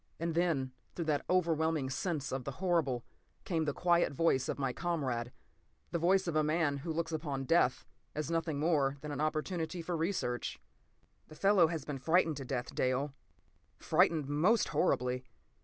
p> And then, through that overwhelming sense of the horrible, came the quiet voice of my comrade—the voice of a man who looks upon death as nothing more than an opportunity for research. "The fellow has been frightened to death, Dale. Frightened most horribly.